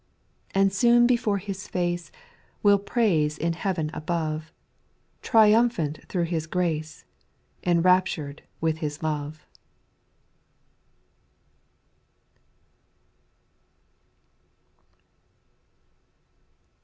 And soon before His face. We '11 praise in heaven above, Triumphant through His grace, Enraptured with His love.